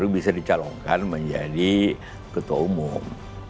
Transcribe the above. bisa dicalonkan menjadi ketua umum